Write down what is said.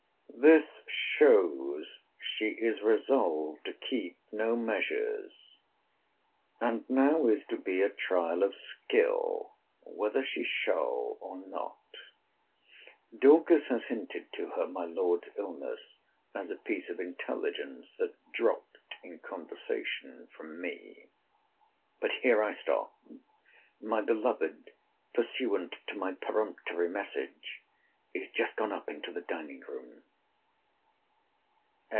This shows she is resolved to keep no measures. And now is to be a trial of skill, whether she shall or not. Dorcas has hinted to her my Lord's illness, as a piece of intelligence that dropt in conversation from me. But here I stop. My beloved, pursuant to my peremptory message, is just gone up into the dining room.